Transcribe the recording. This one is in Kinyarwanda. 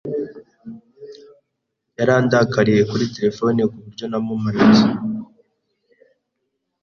Yarandakariye kuri terefone ku buryo namumanitse.